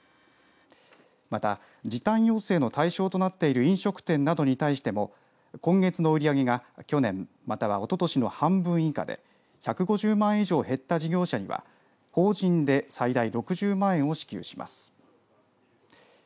また、時短要請の対象となっている飲食店などに対しても今月の売り上げが去年、またはおととしの半分以下で１５０万円以上減った事業者には法人で最大６０万円を支給します。